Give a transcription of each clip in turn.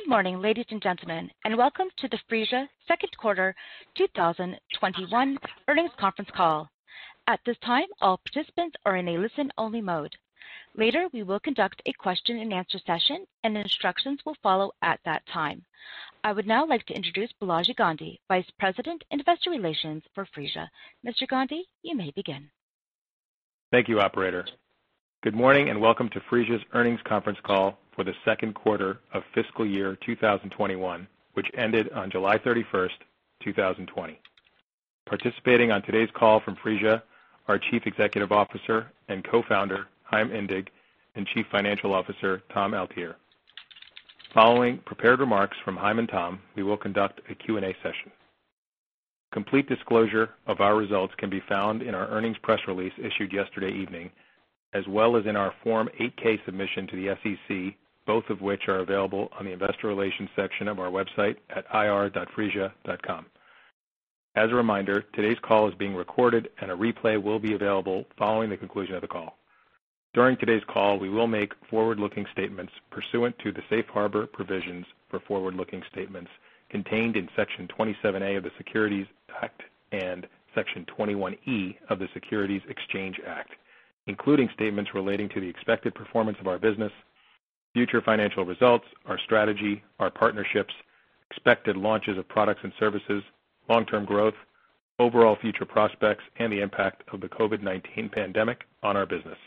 Good morning, ladies and gentlemen, and welcome to the Phreesia second quarter 2021 earnings conference call. At this time, all participants are in a listen-only mode. Later, we will conduct a question-and-answer session, and instructions will follow at that time. I would now like to introduce Balaji Gandhi, Vice President, Investor Relations for Phreesia. Mr. Gandhi, you may begin. Thank you, operator. Good morning, and welcome to Phreesia's Earnings Conference Call for the Second Quarter of Fiscal Year 2021, which ended on July 31, 2020. Participating on today's call from Phreesia, our Chief Executive Officer and Co-founder, Chaim Indig, and Chief Financial Officer, Tom Altier. Following prepared remarks from Haim and Tom, we will conduct a Q&A session. Complete disclosure of our results can be found in our earnings press release issued yesterday evening, as well as in our Form 8-K submission to the SEC, both of which are available on the investor relations section of our website at ir.phreesia.com. As a reminder, today's call is being recorded, and a replay will be available following the conclusion of the call. During today's call, we will make forward-looking statements pursuant to the Safe Harbor Provisions for Forward-Looking Statements contained in Section 27A of the Securities Act and Section 21E of the Securities Exchange Act, including statements relating to the expected performance of our business, future financial results, our strategy, our partnerships, expected launches of products and services, long-term growth, overall future prospects, and the impact of the COVID-19 pandemic on our business.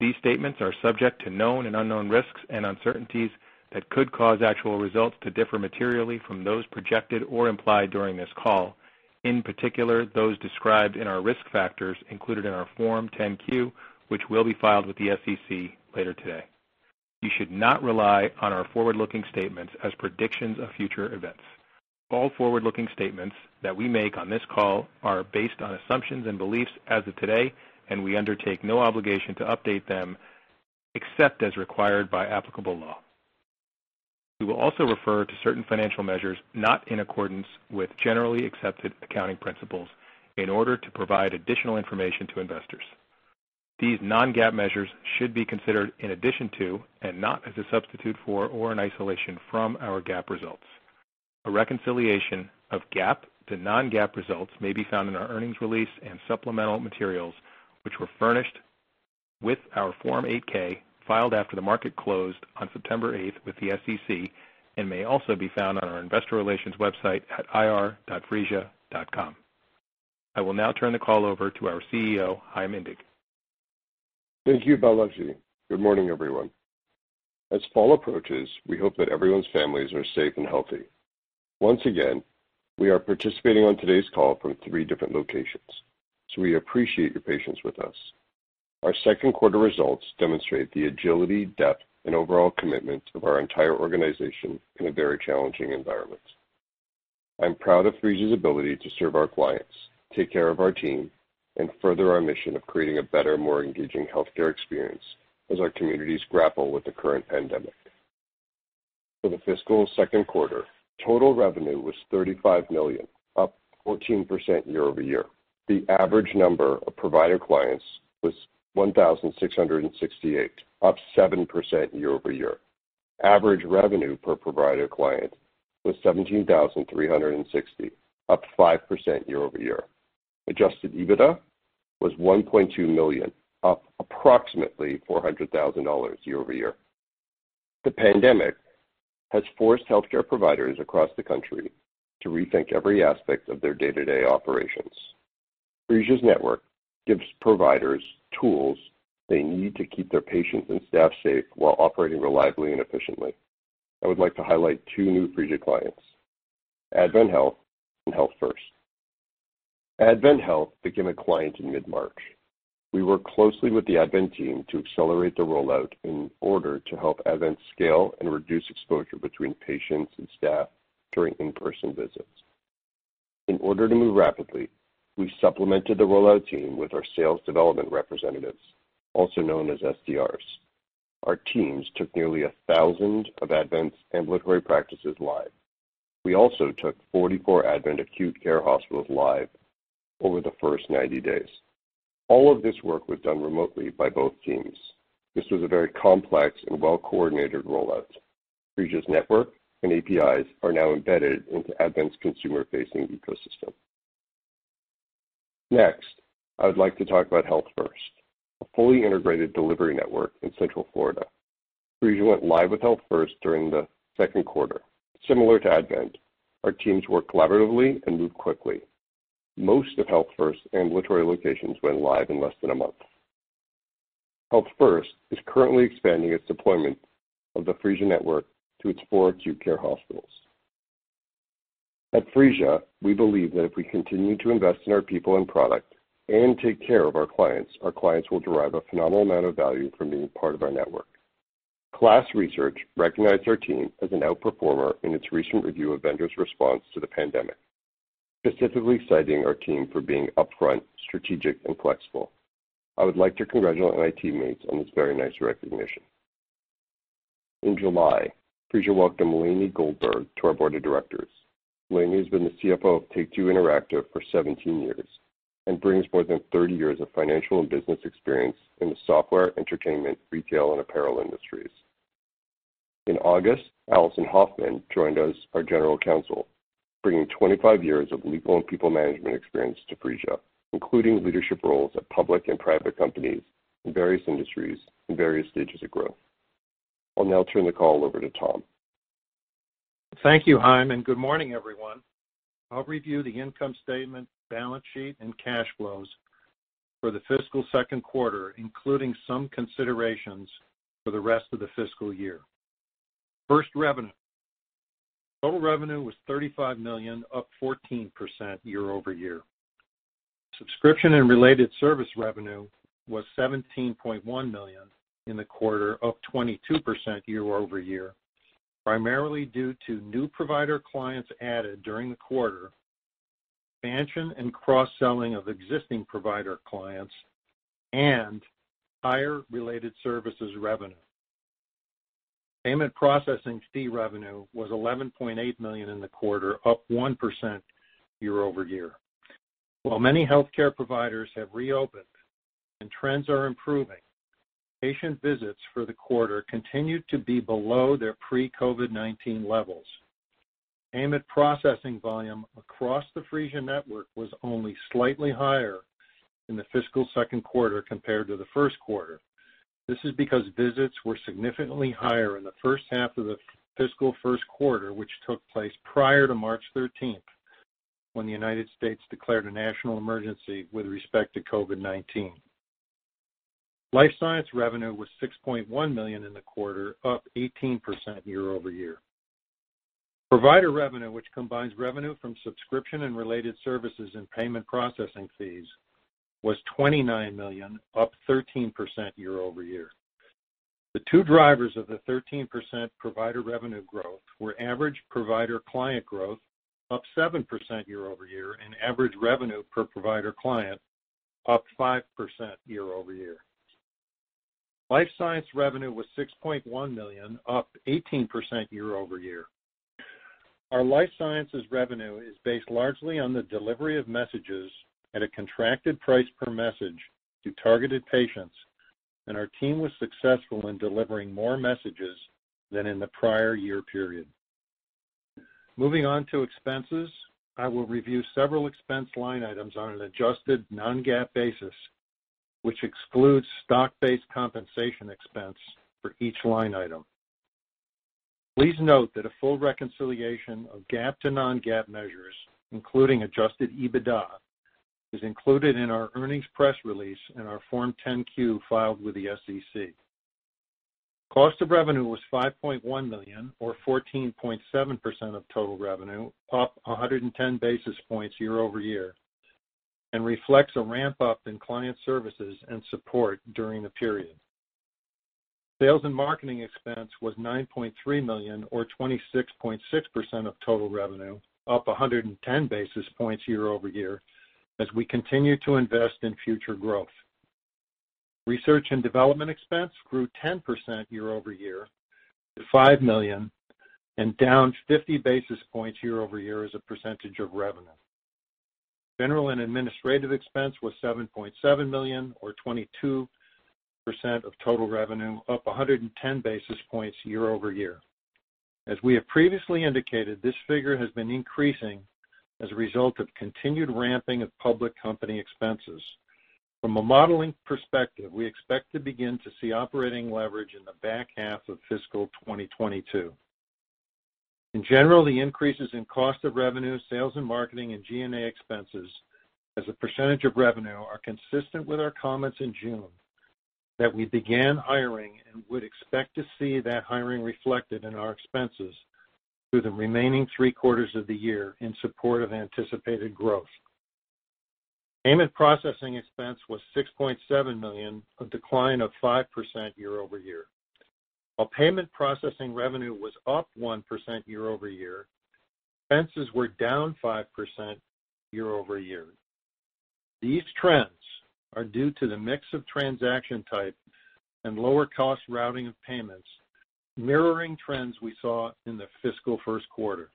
These statements are subject to known and unknown risks and uncertainties that could cause actual results to differ materially from those projected or implied during this call, in particular, those described in our risk factors included in our Form 10-Q, which will be filed with the SEC later today. You should not rely on our forward-looking statements as predictions of future events. All forward-looking statements that we make on this call are based on assumptions and beliefs as of today, and we undertake no obligation to update them, except as required by applicable law. We will also refer to certain financial measures not in accordance with generally accepted accounting principles in order to provide additional information to investors. These non-GAAP measures should be considered in addition to and not as a substitute for or an isolation from our GAAP results. A reconciliation of GAAP to non-GAAP results may be found in our earnings release and supplemental materials, which were furnished with our Form 8-K, filed after the market closed on September 8th with the SEC, and may also be found on our investor relations website at ir.phreesia.com. I will now turn the call over to our CEO, Chaim Indig. Thank you, Balaji. Good morning, everyone. As fall approaches, we hope that everyone's families are safe and healthy. Once again, we are participating on today's call from three different locations, so we appreciate your patience with us. Our second quarter results demonstrate the agility, depth, and overall commitment of our entire organization in a very challenging environment. I'm proud of Phreesia's ability to serve our clients, take care of our team, and further our mission of creating a better, more engaging healthcare experience as our communities grapple with the current pandemic. For the fiscal second quarter, total revenue was $35 million, up 14% year-over-year. The average number of provider clients was 1,668, up 7% year-over-year. Average revenue per provider client was $17,360, up 5% year-over-year. Adjusted EBITDA was $1.2 million, up approximately $400,000 year-over-year. The pandemic has forced healthcare providers across the country to rethink every aspect of their day-to-day operations. Phreesia's network gives providers tools they need to keep their patients and staff safe while operating reliably and efficiently. I would like to highlight 2 new Phreesia clients, AdventHealth and Health First. AdventHealth became a client in mid-March. We worked closely with the AdventHealth team to accelerate the rollout in order to help AdventHealth scale and reduce exposure between patients and staff during in-person visits. In order to move rapidly, we supplemented the rollout team with our sales development representatives, also known as SDRs. Our teams took nearly 1,000 of AdventHealth's ambulatory practices live. We also took 44 AdventHealth acute care hospitals live over the first 90 days. All of this work was done remotely by both teams. This was a very complex and well-coordinated rollout. Phreesia's network and APIs are now embedded into AdventHealth's consumer-facing ecosystem. Next, I would like to talk about Health First, a fully integrated delivery network in Central Florida. Phreesia went live with Health First during the second quarter. Similar to AdventHealth, our teams worked collaboratively and moved quickly. Most of Health First ambulatory locations went live in less than a month. Health First is currently expanding its deployment of the Phreesia network to its four acute care hospitals. At Phreesia, we believe that if we continue to invest in our people and product and take care of our clients, our clients will derive a phenomenal amount of value from being part of our network. KLAS Research recognized our team as an outperformer in its recent review of vendors' response to the pandemic, specifically citing our team for being upfront, strategic and flexible. I would like to congratulate my teammates on this very nice recognition. In July, Phreesia welcomed Lainie Goldstein to our board of directors. Lainie has been the CFO of Take-Two Interactive for 17 years... and brings more than 30 years of financial and business experience in the software, entertainment, retail, and apparel industries. In August, Allison Hoffman joined us, our General Counsel, bringing 25 years of legal and people management experience to Phreesia, including leadership roles at public and private companies in various industries, in various stages of growth. I'll now turn the call over to Tom. Thank you, Chaim, and good morning, everyone. I'll review the income statement, balance sheet, and cash flows for the fiscal second quarter, including some considerations for the rest of the fiscal year. First, revenue. Total revenue was $35 million, up 14% year-over-year. Subscription and related service revenue was $17.1 million in the quarter, up 22% year-over-year, primarily due to new provider clients added during the quarter, expansion and cross-selling of existing provider clients, and higher related services revenue. Payment processing fee revenue was $11.8 million in the quarter, up 1% year-over-year. While many healthcare providers have reopened and trends are improving, patient visits for the quarter continued to be below their pre-COVID-19 levels. Payment processing volume across the Phreesia network was only slightly higher in the fiscal second quarter compared to the first quarter. This is because visits were significantly higher in the first half of the fiscal first quarter, which took place prior to March 13, when the United States declared a national emergency with respect to COVID-19. Life science revenue was $6.1 million in the quarter, up 18% year-over-year. Provider revenue, which combines revenue from subscription and related services and payment processing fees, was $29 million, up 13% year-over-year. The two drivers of the 13% provider revenue growth were average provider client growth, up 7% year-over-year, and average revenue per provider client, up 5% year-over-year. Life science revenue was $6.1 million, up 18% year-over-year. Our life sciences revenue is based largely on the delivery of messages at a contracted price per message to targeted patients, and our team was successful in delivering more messages than in the prior year period. Moving on to expenses, I will review several expense line items on an adjusted non-GAAP basis, which excludes stock-based compensation expense for each line item. Please note that a full reconciliation of GAAP to non-GAAP measures, including Adjusted EBITDA, is included in our earnings press release and our Form 10-Q filed with the SEC. Cost of revenue was $5.1 million, or 14.7% of total revenue, up 110 basis points year-over-year, and reflects a ramp-up in client services and support during the period. Sales and marketing expense was $9.3 million, or 26.6% of total revenue, up 110 basis points year-over-year as we continue to invest in future growth. Research and development expense grew 10% year-over-year to $5 million and down 50 basis points year-over-year as a percentage of revenue. General and administrative expense was $7.7 million, or 22% of total revenue, up 110 basis points year-over-year. As we have previously indicated, this figure has been increasing as a result of continued ramping of public company expenses. From a modeling perspective, we expect to begin to see operating leverage in the back half of fiscal 2022. In general, the increases in cost of revenue, sales and marketing, and G&A expenses as a percentage of revenue are consistent with our comments in June, that we began hiring and would expect to see that hiring reflected in our expenses through the remaining three quarters of the year in support of anticipated growth. Payment processing expense was $6.7 million, a decline of 5% year-over-year. While payment processing revenue was up 1% year-over-year, expenses were down 5% year-over-year. These trends are due to the mix of transaction type and lower cost routing of payments, mirroring trends we saw in the fiscal first quarter.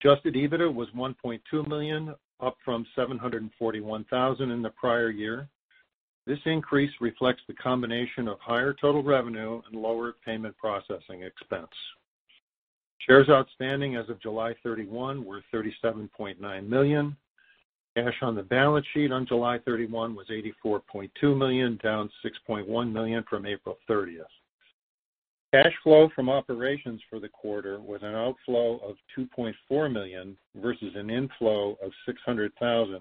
Adjusted EBITDA was $1.2 million, up from $741,000 in the prior year. This increase reflects the combination of higher total revenue and lower payment processing expense. Shares outstanding as of July 31 were 37.9 million. Cash on the balance sheet on July 31 was $84.2 million, down $6.1 million from April 30. Cash flow from operations for the quarter was an outflow of $2.4 million, versus an inflow of $600,000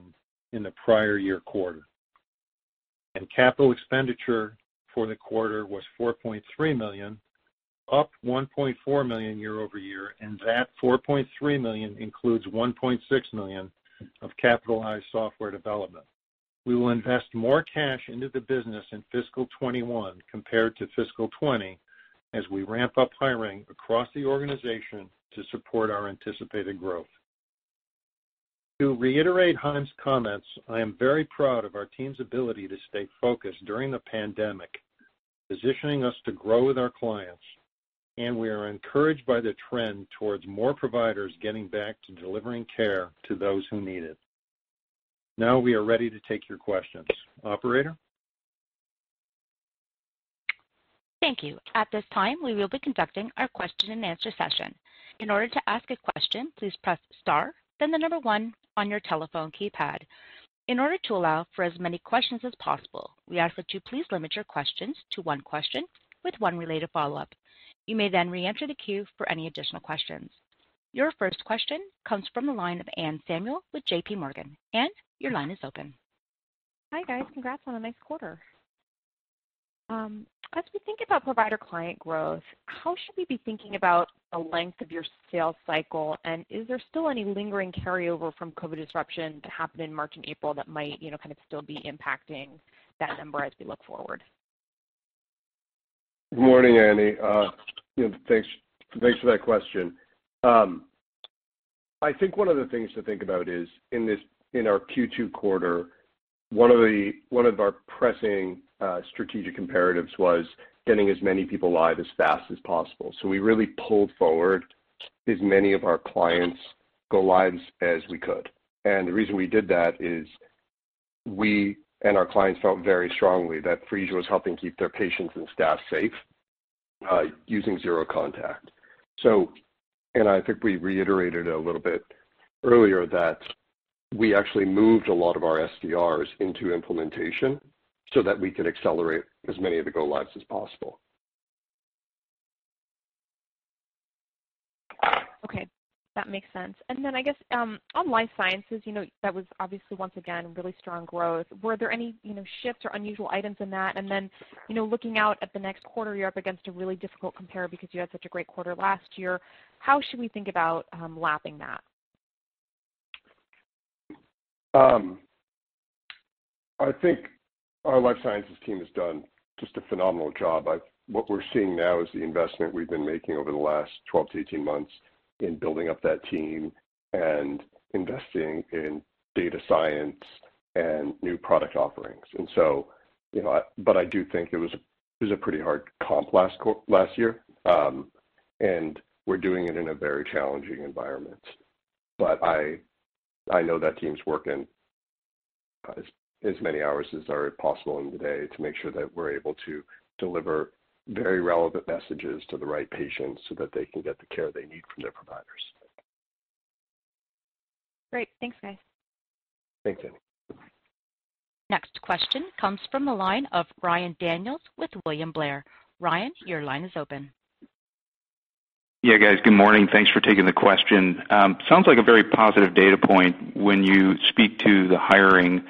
in the prior year quarter. Capital expenditure for the quarter was $4.3 million, up $1.4 million year-over-year, and that $4.3 million includes $1.6 million of capitalized software development. We will invest more cash into the business in fiscal 2021 compared to fiscal 2020, as we ramp up hiring across the organization to support our anticipated growth. To reiterate Chaim's comments, I am very proud of our team's ability to stay focused during the pandemic.... positioning us to grow with our clients, and we are encouraged by the trend towards more providers getting back to delivering care to those who need it. Now we are ready to take your questions. Operator? Thank you. At this time, we will be conducting our question and answer session. In order to ask a question, please press star, then the number one on your telephone keypad. In order to allow for as many questions as possible, we ask that you please limit your questions to one question with one related follow-up. You may then reenter the queue for any additional questions. Your first question comes from the line of Anne Samuel with J.P. Morgan. Anne, your line is open. Hi, guys. Congrats on a nice quarter. As we think about provider-client growth, how should we be thinking about the length of your sales cycle? Is there still any lingering carryover from COVID disruption that happened in March and April that might, you know, kind of still be impacting that number as we look forward? Good morning, Annie. You know, thanks, thanks for that question. I think one of the things to think about is in our Q2 quarter, one of our pressing strategic imperatives was getting as many people live as fast as possible. So we really pulled forward as many of our clients go lives as we could. And the reason we did that is we and our clients felt very strongly that Phreesia was helping keep their patients and staff safe, using zero contact. So, and I think we reiterated a little bit earlier that we actually moved a lot of our SDRs into implementation so that we could accelerate as many of the go lives as possible. Okay, that makes sense. And then I guess, on Life Sciences, you know, that was obviously, once again, really strong growth. Were there any, you know, shifts or unusual items in that? And then, you know, looking out at the next quarter, you're up against a really difficult compare because you had such a great quarter last year. How should we think about, lapping that? I think our Life Sciences team has done just a phenomenal job. What we're seeing now is the investment we've been making over the last 12 to 18 months in building up that team and investing in data science and new product offerings. And so, you know, but I do think it was a pretty hard comp last year, and we're doing it in a very challenging environment. But I know that team's working as many hours as are possible in the day to make sure that we're able to deliver very relevant messages to the right patients so that they can get the care they need from their providers. Great. Thanks, guys. Thanks, Annie. Next question comes from the line of Ryan Daniels with William Blair. Ryan, your line is open. Yeah, guys, good morning. Thanks for taking the question. Sounds like a very positive data point when you speak to the hiring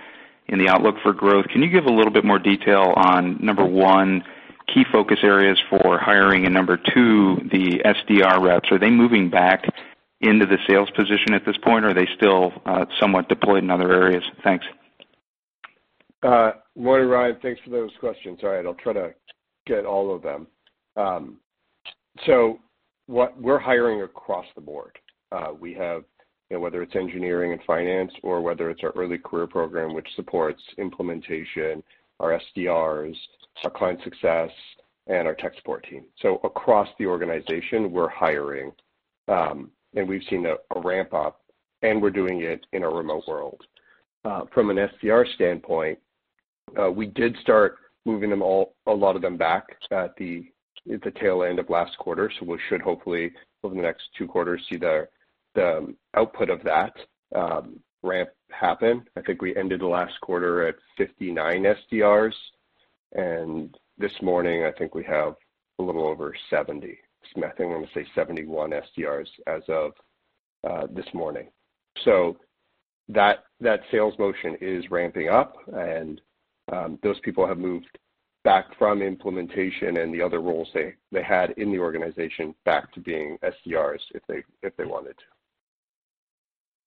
and the outlook for growth. Can you give a little bit more detail on, number one, key focus areas for hiring, and number two, the SDR reps, are they moving back into the sales position at this point, or are they still somewhat deployed in other areas? Thanks. Morning, Ryan. Thanks for those questions. All right, I'll try to get all of them. We're hiring across the board. We have, you know, whether it's engineering and finance or whether it's our early career program, which supports implementation, our SDRs, our client success, and our tech support team. So across the organization, we're hiring, and we've seen a ramp up, and we're doing it in a remote world. From an SDR standpoint, we did start moving them all, a lot of them back at the tail end of last quarter, so we should hopefully, over the next two quarters, see the output of that ramp happen. I think we ended the last quarter at 59 SDRs, and this morning, I think we have a little over 70. I think I want to say 71 SDRs as of this morning. So that sales motion is ramping up, and those people have moved back from implementation and the other roles they had in the organization back to being SDRs if they wanted to.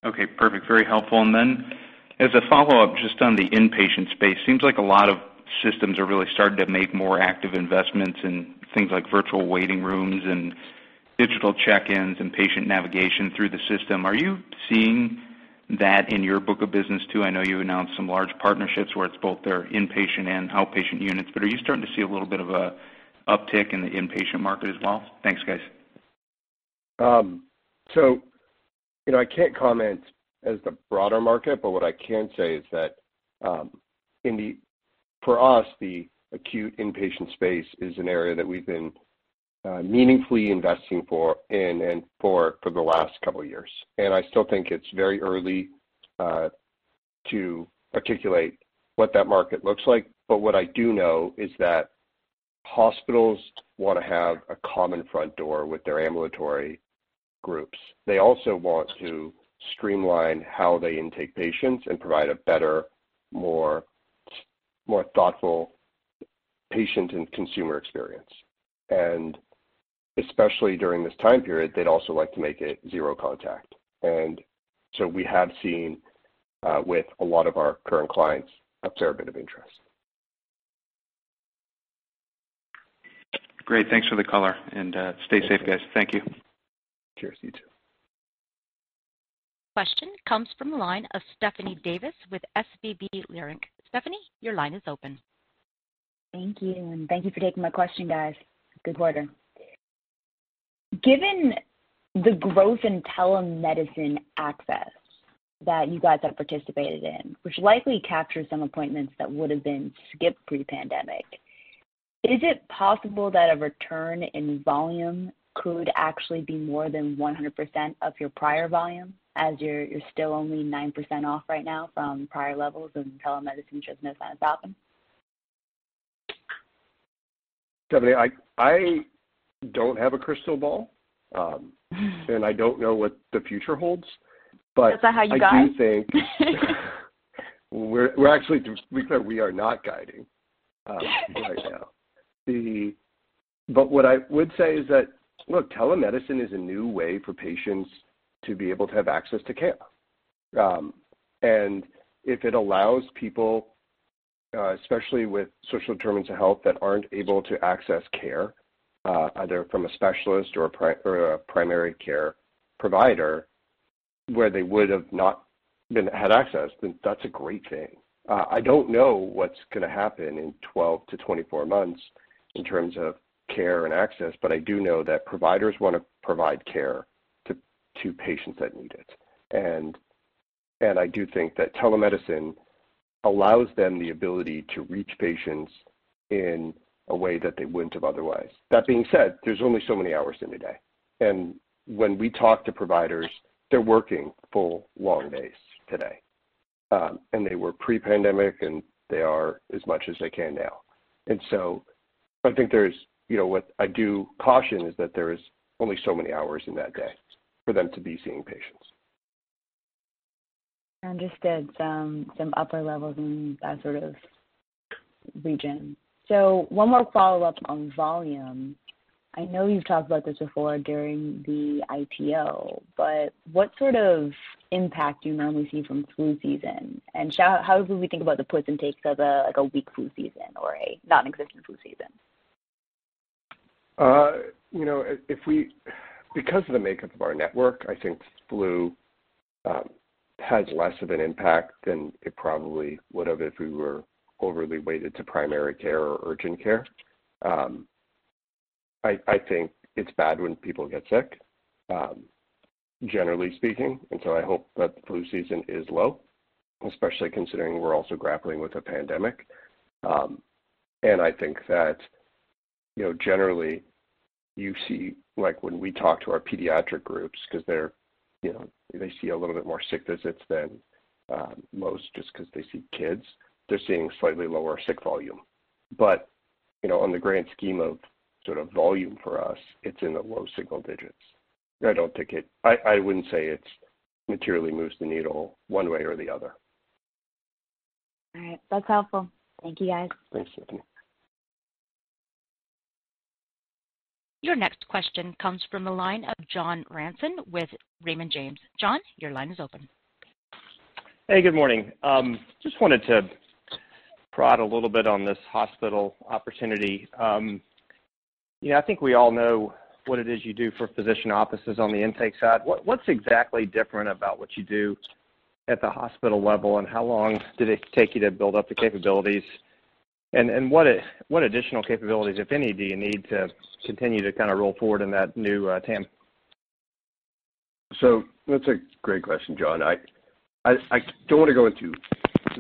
Okay, perfect. Very helpful. And then as a follow-up, just on the inpatient space, seems like a lot of systems are really starting to make more active investments in things like virtual waiting rooms and digital check-ins and patient navigation through the system. Are you seeing that in your book of business, too? I know you announced some large partnerships where it's both their inpatient and outpatient units, but are you starting to see a little bit of an uptick in the inpatient market as well? Thanks, guys. So, you know, I can't comment on the broader market, but what I can say is that for us, the acute inpatient space is an area that we've been meaningfully investing in for the last couple of years. I still think it's very early to articulate what that market looks like. But what I do know is that hospitals want to have a common front door with their ambulatory groups. They also want to streamline how they intake patients and provide a better, more thoughtful patient and consumer experience. And especially during this time period, they'd also like to make it zero contact. And so we have seen with a lot of our current clients a fair bit of interest. Great. Thanks for the color and stay safe, guys. Thank you. Cheers. You too.... Question comes from the line of Stephanie Davis with SVB Leerink. Stephanie, your line is open. Thank you, and thank you for taking my question, guys. Good quarter. Given the growth in telemedicine access that you guys have participated in, which likely captures some appointments that would have been skipped pre-pandemic, is it possible that a return in volume could actually be more than 100% of your prior volume, as you're still only 9% off right now from prior levels, and telemedicine shows no signs of stopping? Stephanie, I don't have a crystal ball, and I don't know what the future holds, but- Is that how you got? I do think we're actually – to be clear, we are not guiding right now. But what I would say is that, look, telemedicine is a new way for patients to be able to have access to care. And if it allows people, especially with social determinants of health, that aren't able to access care, either from a specialist or a primary care provider, where they would have not had access, then that's a great thing. I don't know what's going to happen in 12-24 months in terms of care and access, but I do know that providers want to provide care to patients that need it. And I do think that telemedicine allows them the ability to reach patients in a way that they wouldn't have otherwise. That being said, there's only so many hours in a day, and when we talk to providers, they're working full, long days today. And they were pre-pandemic, and they are as much as they can now. And so I think there's, you know, what I do caution is that there is only so many hours in that day for them to be seeing patients. Understood, some upper levels and that sort of region. So one more follow-up on volume. I know you've talked about this before during the IPO, but what sort of impact do you normally see from flu season? And should—how would we think about the puts and takes of a, like, a weak flu season or a non-existent flu season? You know, if we, because of the makeup of our network, I think flu has less of an impact than it probably would have if we were overly weighted to primary care or urgent care. I think it's bad when people get sick, generally speaking, and so I hope that flu season is low, especially considering we're also grappling with a pandemic. And I think that, you know, generally, you see, like, when we talk to our pediatric groups, because they're, you know, they see a little bit more sick visits than most just because they see kids, they're seeing slightly lower sick volume. But, you know, on the grand scheme of sort of volume for us, it's in the low single digits. I don't think it. I wouldn't say it materially moves the needle one way or the other. All right. That's helpful. Thank you, guys. Thanks, Stephanie. Your next question comes from the line of John Ransom with Raymond James. John, your line is open. Hey, good morning. Just wanted to prod a little bit on this hospital opportunity. You know, I think we all know what it is you do for physician offices on the intake side. What's exactly different about what you do at the hospital level, and how long did it take you to build up the capabilities? And what additional capabilities, if any, do you need to continue to kind of roll forward in that new TAM? So that's a great question, John. I don't want to go into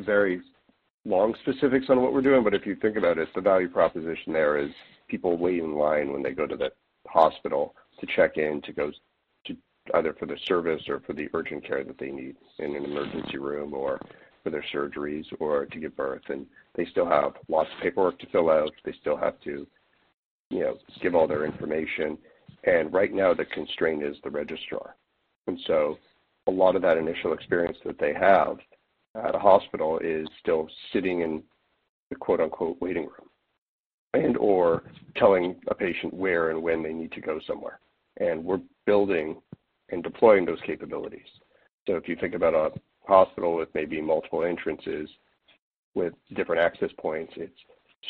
very long specifics on what we're doing, but if you think about it, the value proposition there is people wait in line when they go to the hospital to check in, to go to either for the service or for the urgent care that they need in an emergency room or for their surgeries or to give birth, and they still have lots of paperwork to fill out. They still have to, you know, give all their information, and right now, the constraint is the registrar. And so a lot of that initial experience that they have at a hospital is still sitting in the, quote-unquote, "waiting room," and/or telling a patient where and when they need to go somewhere. And we're building and deploying those capabilities. So if you think about a hospital with maybe multiple entrances with different access points, it's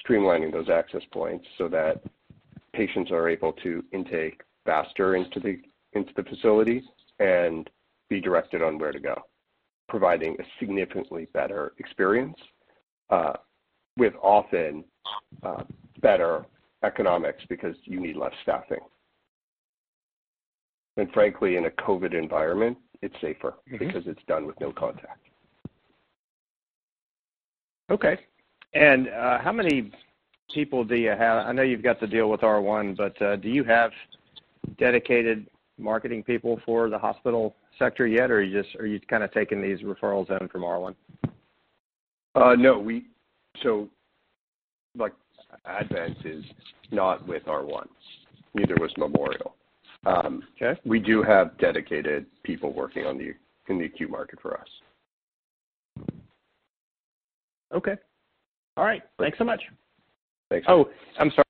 streamlining those access points so that patients are able to intake faster into the facility and be directed on where to go, providing a significantly better experience with often better economics because you need less staffing. And frankly, in a COVID environment, it's safer- Mm-hmm. Because it's done with no contact. Okay. And, how many people do you have? I know you've got the deal with R1, but, do you have dedicated marketing people for the hospital sector yet, or are you just- are you kind of taking these referrals in from R1? No. So, like, Advent is not with R1, neither was Memorial. Okay. We do have dedicated people working in the acute market for us. Okay. All right. Thanks so much. Thanks. Oh, I'm sorry.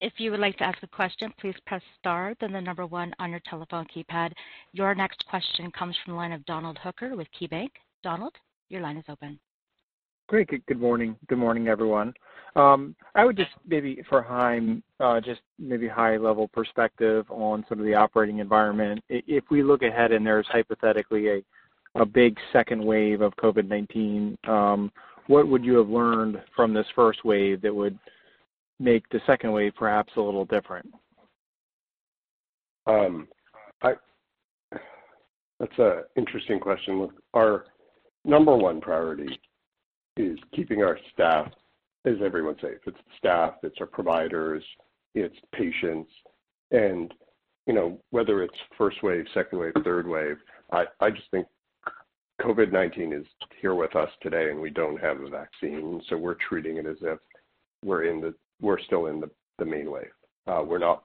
If you would like to ask a question, please press star, then the number one on your telephone keypad. Your next question comes from the line of Donald Hooker with KeyBanc. Donald, your line is open. ... Great. Good morning. Good morning, everyone. I would just maybe for Chaim just maybe high-level perspective on some of the operating environment. If we look ahead and there's hypothetically a big second wave of COVID-19, what would you have learned from this first wave that would make the second wave perhaps a little different? That's an interesting question. Look, our number one priority is keeping our staff, as everyone safe. It's staff, it's our providers, it's patients, and, you know, whether it's first wave, second wave, third wave, I just think COVID-19 is here with us today, and we don't have a vaccine, so we're treating it as if we're in the- we're still in the main wave. We're not...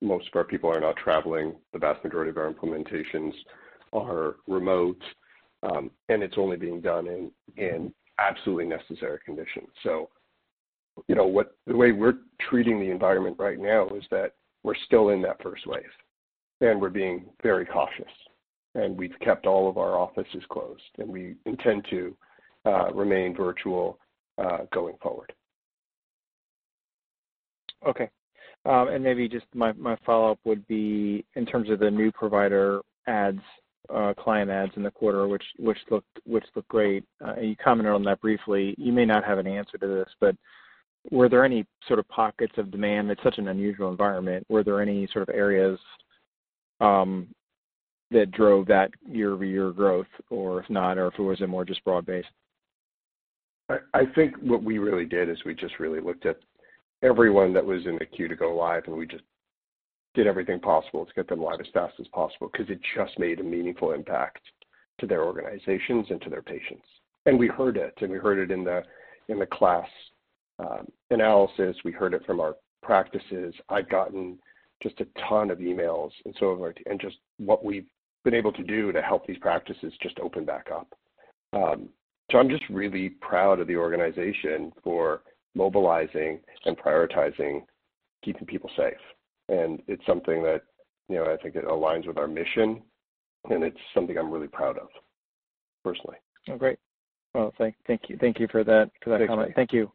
Most of our people are not traveling. The vast majority of our implementations are remote, and it's only being done in absolutely necessary conditions. So, you know, the way we're treating the environment right now is that we're still in that first wave, and we're being very cautious, and we've kept all of our offices closed, and we intend to remain virtual going forward. Okay. And maybe just my, my follow-up would be in terms of the new provider adds, client adds in the quarter, which looked great. And you commented on that briefly. You may not have an answer to this, but were there any sort of pockets of demand? It's such an unusual environment. Were there any sort of areas that drove that year-over-year growth, or if not, if it was more just broad-based? I think what we really did is we just really looked at everyone that was in the queue to go live, and we just did everything possible to get them live as fast as possible because it just made a meaningful impact to their organizations and to their patients. And we heard it, and we heard it in the, in the KLAS analysis. We heard it from our practices. I've gotten just a ton of emails and so over and just what we've been able to do to help these practices just open back up. So I'm just really proud of the organization for mobilizing and prioritizing, keeping people safe. And it's something that, you know, I think it aligns with our mission, and it's something I'm really proud of, personally. Oh, great. Well, thank you. Thank you for that comment. Thanks. Thank you.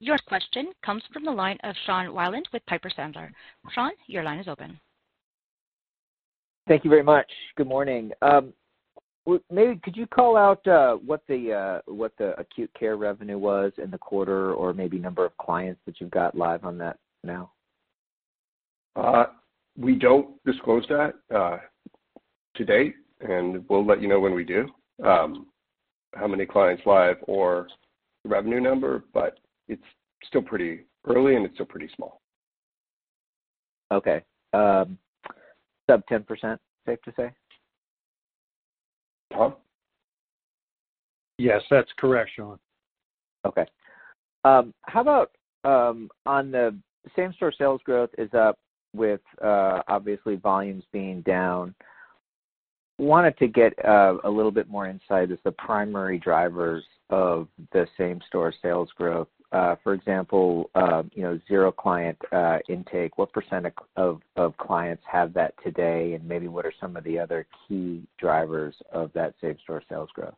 Your question comes from the line of Sean Wieland with Piper Sandler. Sean, your line is open. Thank you very much. Good morning. Well, maybe could you call out what the acute care revenue was in the quarter or maybe number of clients that you've got live on that now? We don't disclose that to date, and we'll let you know when we do how many clients live or revenue number, but it's still pretty early, and it's still pretty small. Okay. Sub-10%, safe to say? Tom? Yes, that's correct, Sean. Okay. How about on the same-store sales growth is up with obviously volumes being down. Wanted to get a little bit more insight as the primary drivers of the same-store sales growth. For example, you know, zero client intake, what % of clients have that today? And maybe what are some of the other key drivers of that same-store sales growth?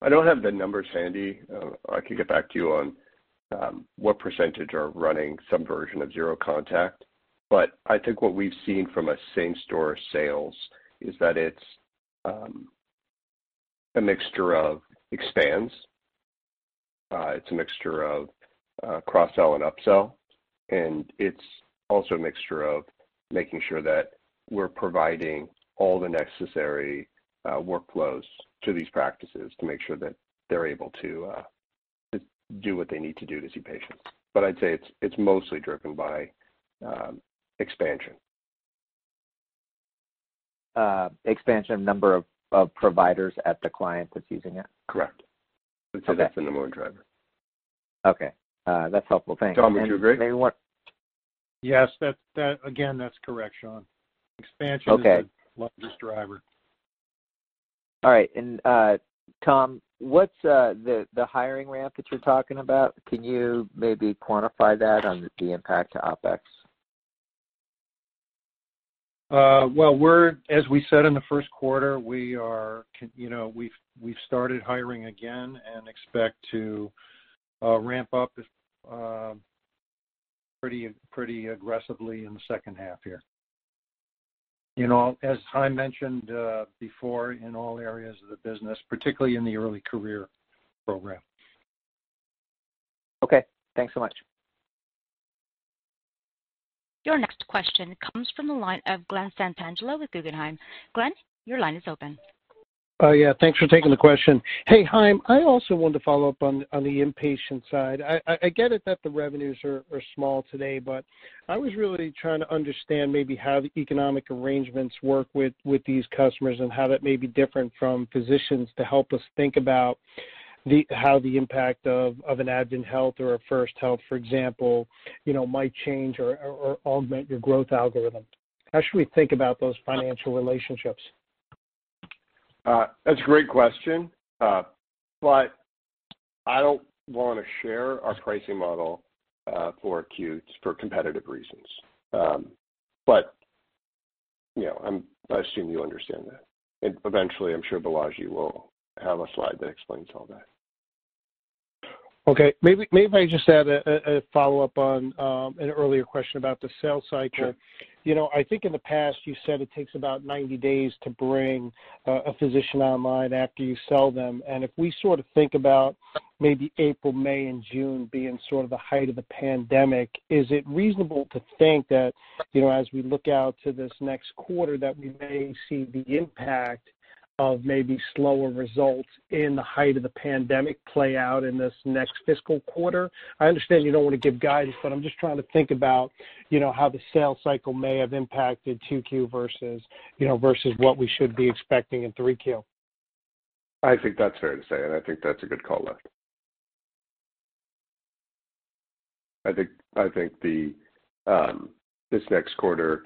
I don't have the numbers handy. I can get back to you on what percentage are running some version of zero contact. But I think what we've seen from a same-store sales is that it's a mixture of expands, it's a mixture of cross-sell and upsell, and it's also a mixture of making sure that we're providing all the necessary workflows to these practices to make sure that they're able to do what they need to do to see patients. But I'd say it's mostly driven by expansion. Expansion of number of providers at the client that's using it? Correct. Okay. I'd say that's the number one driver. Okay, that's helpful. Thank you. Tom, would you agree? Maybe one- Yes, that... Again, that's correct, Sean. Okay. Expansion is the largest driver. All right. And, Tom, what's the hiring ramp that you're talking about? Can you maybe quantify that on the impact to OpEx? Well, we're -- as we said in the first quarter, we are, you know, we've started hiring again and expect to ramp up pretty aggressively in the second half here. You know, as Chaim mentioned before, in all areas of the business, particularly in the early career program. Okay, thanks so much. Your next question comes from the line of Glen Santangelo with Guggenheim. Glenn, your line is open. Yeah, thanks for taking the question. Hey, Chaim, I also wanted to follow up on the inpatient side. I get it that the revenues are small today, but I was really trying to understand maybe how the economic arrangements work with these customers and how that may be different from physicians to help us think about how the impact of an AdventHealth or a Health First, for example, you know, might change or augment your growth algorithm. How should we think about those financial relationships? That's a great question. I don't want to share our pricing model for acute for competitive reasons. You know, I assume you understand that. And eventually, I'm sure Balaji will have a slide that explains all that. Okay. Maybe, maybe I just add a follow-up on an earlier question about the sales cycle. Sure. You know, I think in the past, you said it takes about 90 days to bring a physician online after you sell them. And if we sort of think about maybe April, May, and June being sort of the height of the pandemic, is it reasonable to think that, you know, as we look out to this next quarter, that we may see the impact of maybe slower results in the height of the pandemic play out in this next fiscal quarter? I understand you don't want to give guidance, but I'm just trying to think about, you know, how the sales cycle may have impacted 2Q versus, you know, versus what we should be expecting in 3Q. I think that's fair to say, and I think that's a good call left. I think, I think this next quarter,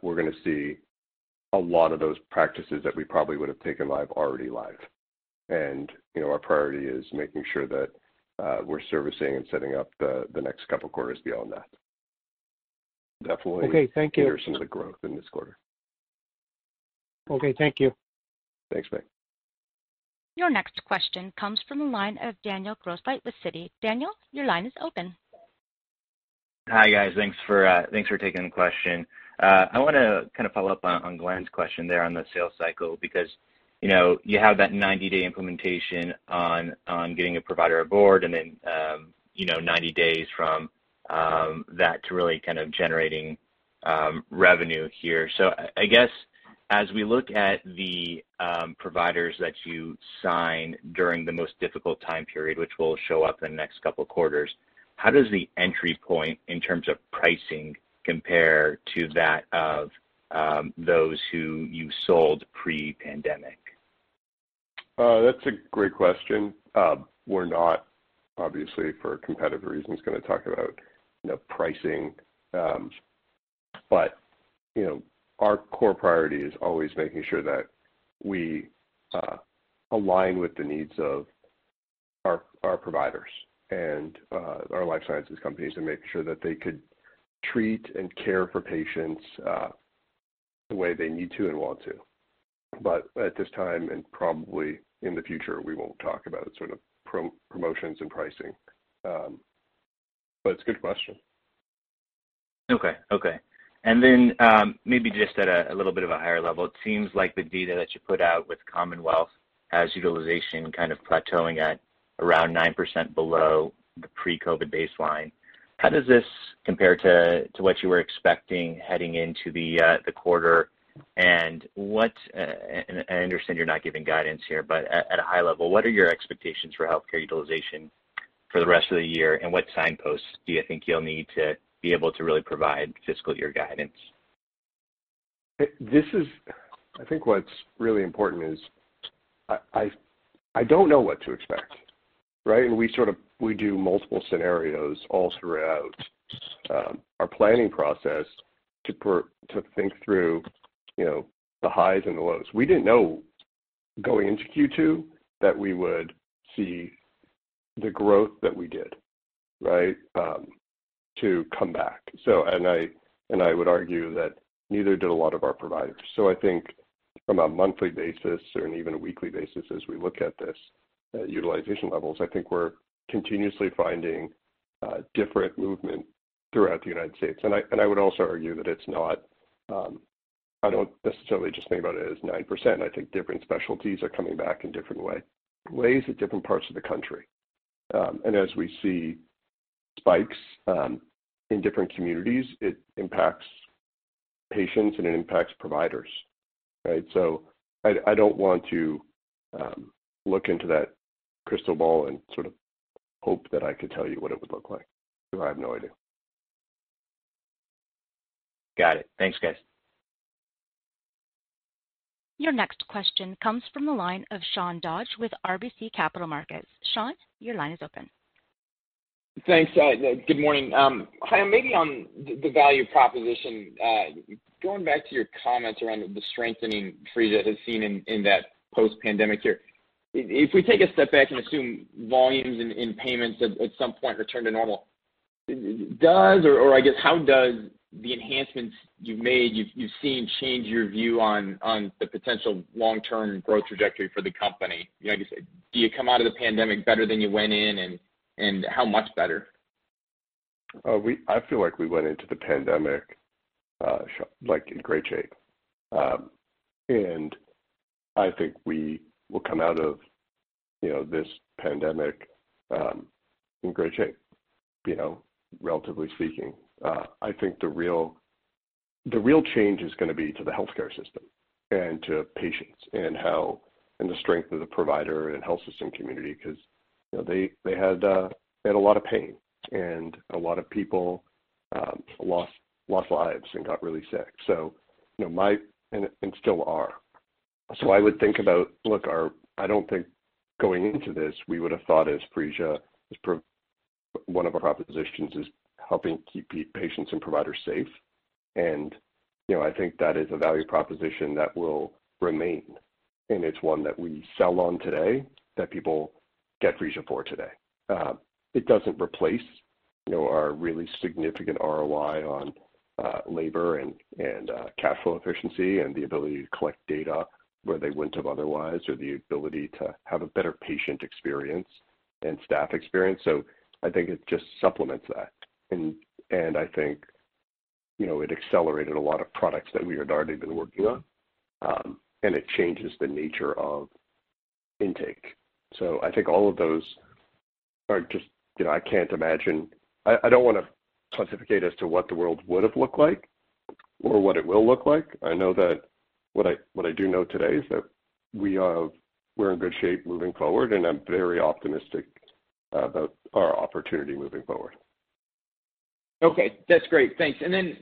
we're gonna see a lot of those practices that we probably would have taken live, already live. And, you know, our priority is making sure that, we're servicing and setting up the next couple quarters beyond that. Definitely. Okay, thank you. There's some of the growth in this quarter. Okay, thank you. Thanks, Nick. Your next question comes from the line of Daniel Grosslight with Citi. Daniel, your line is open. Hi, guys. Thanks for taking the question. I wanna kind of follow up on Glen's question there on the sales cycle, because, you know, you have that 90-day implementation on getting a provider aboard and then, you know, 90 days from that to really kind of generating revenue here. So I guess as we look at the providers that you sign during the most difficult time period, which will show up in the next couple of quarters, how does the entry point in terms of pricing compare to that of those who you sold pre-pandemic? That's a great question. We're not, obviously, for competitive reasons, gonna talk about, you know, pricing, but, you know, our core priority is always making sure that we align with the needs of our providers and our life sciences companies, and making sure that they could treat and care for patients the way they need to and want to. But at this time, and probably in the future, we won't talk about sort of promotions and pricing. But it's a good question. Okay, okay. And then, maybe just at a little bit of a higher level, it seems like the data that you put out with Commonwealth has utilization kind of plateauing at around 9% below the pre-COVID baseline. How does this compare to what you were expecting heading into the quarter? And I understand you're not giving guidance here, but at a high level, what are your expectations for healthcare utilization for the rest of the year, and what signposts do you think you'll need to be able to really provide fiscal year guidance? This is. I think what's really important is I don't know what to expect, right? And we sort of, we do multiple scenarios all throughout our planning process to think through, you know, the highs and the lows. We didn't know going into Q2 that we would see the growth that we did, right? To come back. So, I would argue that neither did a lot of our providers. So I think from a monthly basis and even a weekly basis as we look at this, utilization levels, I think we're continuously finding different movement throughout the United States. And I would also argue that it's not, I don't necessarily just think about it as 9%. I think different specialties are coming back in different ways at different parts of the country. And as we see spikes in different communities, it impacts patients, and it impacts providers, right? So I, I don't want to look into that crystal ball and sort of hope that I could tell you what it would look like, so I have no idea. Got it. Thanks, guys. Your next question comes from the line of Sean Dodge with RBC Capital Markets. Sean, your line is open. Thanks. Good morning. Chaim, maybe on the value proposition, going back to your comments around the strengthening Phreesia has seen in that post-pandemic year. If we take a step back and assume volumes and payments at some point return to normal, does or I guess, how does the enhancements you've made you've seen change your view on the potential long-term growth trajectory for the company? You know, I guess, do you come out of the pandemic better than you went in, and how much better? I feel like we went into the pandemic, like, in great shape. And I think we will come out of, you know, this pandemic, in great shape, you know, relatively speaking. I think the real, the real change is gonna be to the healthcare system and to patients and how, and the strength of the provider and health system community, 'cause, you know, they, they had, they had a lot of pain, and a lot of people, lost, lost lives and got really sick. So, you know, my... and, and still are. So I would think about. Look, our. I don't think going into this, we would have thought as Phreesia. One of our propositions is helping keep patients and providers safe. You know, I think that is a value proposition that will remain, and it's one that we sell on today, that people get Phreesia for today. It doesn't replace, you know, our really significant ROI on labor and cash flow efficiency and the ability to collect data where they wouldn't have otherwise, or the ability to have a better patient experience and staff experience. So I think it just supplements that. I think, you know, it accelerated a lot of products that we had already been working on. And it changes the nature of intake. So I think all of those are just... You know, I can't imagine—I don't wanna pontificate as to what the world would have looked like or what it will look like. I know what I do know today is that we are, we're in good shape moving forward, and I'm very optimistic about our opportunity moving forward. Okay, that's great. Thanks. And then,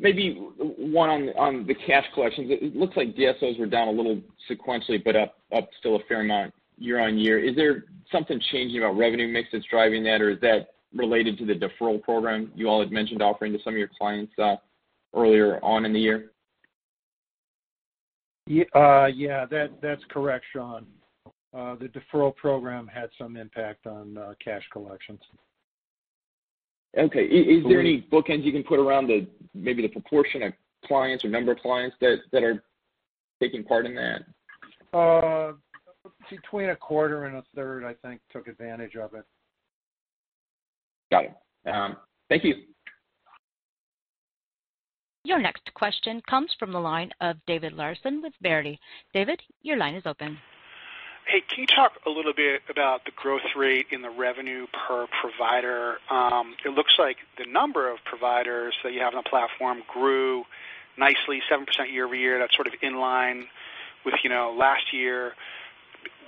maybe one on the cash collections. It looks like DSOs were down a little sequentially, but up still a fair amount year-over-year. Is there something changing about revenue mix that's driving that, or is that related to the deferral program you all had mentioned offering to some of your clients, earlier on in the year? Yeah, that's correct, Sean. The deferral program had some impact on cash collections. Okay. So we- Is there any bookends you can put around the, maybe the proportion of clients or number of clients that are taking part in that? Between a quarter and a third, I think, took advantage of it. Got it. Thank you. Your next question comes from the line of David Larsen with Verity Research. David, your line is open. Hey, can you talk a little bit about the growth rate in the revenue per provider? It looks like the number of providers that you have on the platform grew nicely, 7% year-over-year. That's sort of in line with, you know, last year.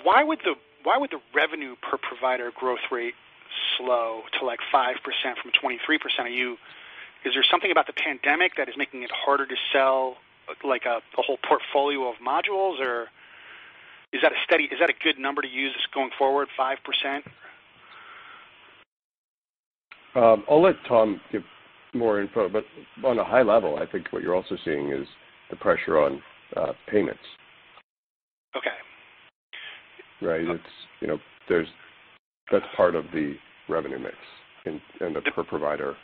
Why would the, why would the revenue per provider growth rate slow to, like, 5% from 23%? Are you... Is there something about the pandemic that is making it harder to sell, like, a, a whole portfolio of modules, or is that a good number to use going forward, 5%? I'll let Tom give more info, but on a high level, I think what you're also seeing is the pressure on, payments. Okay. Right. It's, you know, there's... That's part of the revenue mix and, and the per-provider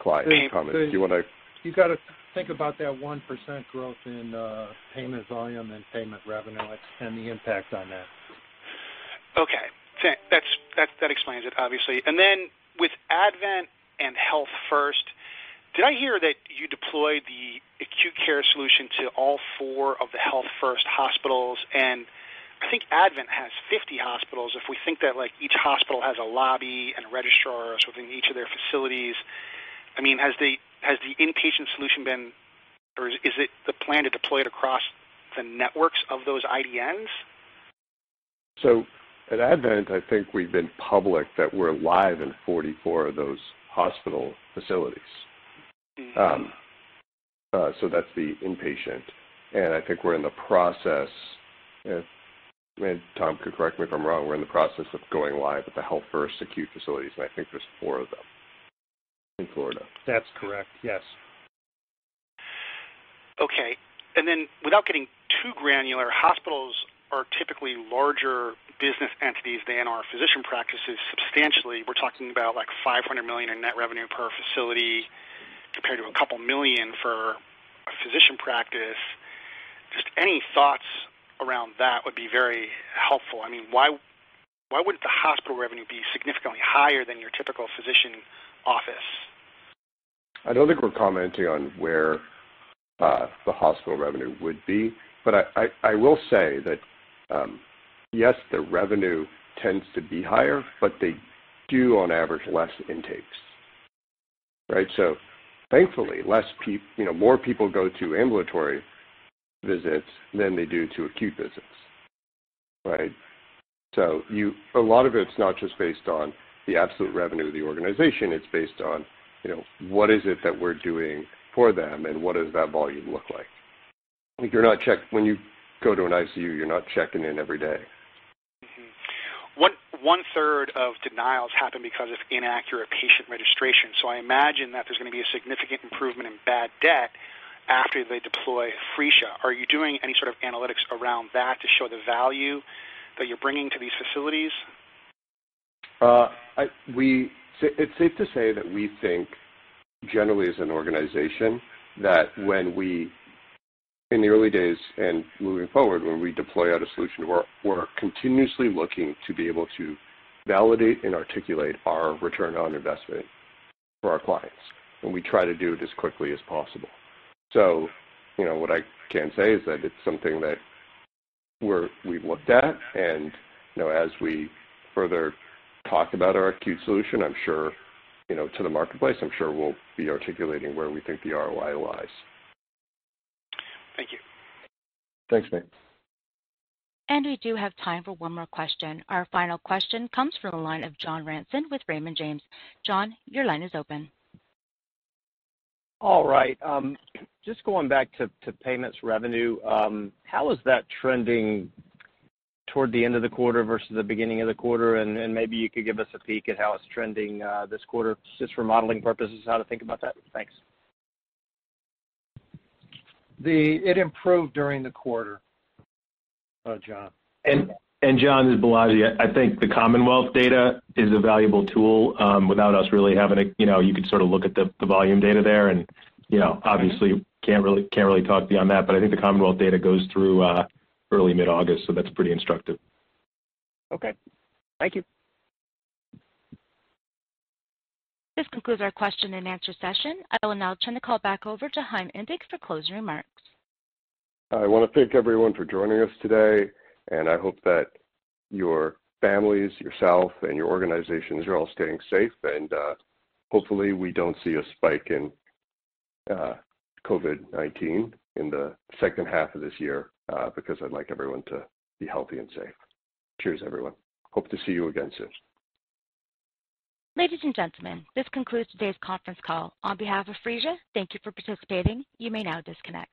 client comment. The, the- Do you want to- You gotta think about that 1% growth in payment volume and payment revenue and the impact on that. Okay. That's, that explains it, obviously. And then with AdventHealth and Health First, did I hear that you deployed the acute care solution to all four of the Health First hospitals? And I think AdventHealth has 50 hospitals. If we think that, like, each hospital has a lobby and a registrar within each of their facilities, I mean, has the inpatient solution been, or is it the plan to deploy it across the networks of those IDNs? At Advent, I think we've been public that we're live in 44 of those hospital facilities. Mm-hmm. So that's the inpatient, and I think we're in the process, and Tom could correct me if I'm wrong, we're in the process of going live with the Health First acute facilities, and I think there's four of them in Florida. That's correct, yes. Okay. Then, without getting too granular, hospitals are typically larger business entities than are physician practices, substantially. We're talking about, like, $500 million in net revenue per facility, compared to $2 million for a physician practice. Just any thoughts around that would be very helpful. I mean, why, why would the hospital revenue be significantly higher than your typical physician office? I don't think we're commenting on where the hospital revenue would be, but I will say that, yes, the revenue tends to be higher, but they do, on average, less intakes, right? So thankfully, less people, you know, more people go to ambulatory visits than they do to acute visits, right? So a lot of it's not just based on the absolute revenue of the organization, it's based on, you know, what is it that we're doing for them, and what does that volume look like? Like, you're not checking when you go to an ICU, you're not checking in every day. Mm-hmm. One third of denials happen because of inaccurate patient registration, so I imagine that there's gonna be a significant improvement in bad debt after they deploy Phreesia. Are you doing any sort of analytics around that to show the value that you're bringing to these facilities? It's safe to say that we think, generally as an organization, that when we... in the early days and moving forward, when we deploy out a solution, we're continuously looking to be able to validate and articulate our return on investment for our clients, and we try to do it as quickly as possible. So you know, what I can say is that it's something that we've looked at, and, you know, as we further talk about our acute solution, I'm sure, you know, to the marketplace, I'm sure we'll be articulating where we think the ROI lies. Thank you. Thanks, Dave. We do have time for one more question. Our final question comes from the line of John Ransom with Raymond James. John, your line is open. All right, just going back to payments revenue, how is that trending toward the end of the quarter versus the beginning of the quarter? And maybe you could give us a peek at how it's trending this quarter, just for modeling purposes, how to think about that. Thanks. It improved during the quarter, John. John, this is Balaji. I think the Commonwealth data is a valuable tool, without us really having to... You know, you could sort of look at the volume data there and, you know, obviously, can't really talk beyond that. But I think the Commonwealth data goes through, early mid-August, so that's pretty instructive. Okay. Thank you. This concludes our question and answer session. I will now turn the call back over to Chaim Indig for closing remarks. I wanna thank everyone for joining us today, and I hope that your families, yourself, and your organizations are all staying safe. Hopefully, we don't see a spike in COVID-19 in the second half of this year, because I'd like everyone to be healthy and safe. Cheers, everyone. Hope to see you again soon. Ladies and gentlemen, this concludes today's conference call. On behalf of Phreesia, thank you for participating. You may now disconnect.